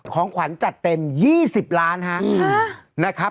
ของขวัญจัดเต็ม๒๐ล้านฮะ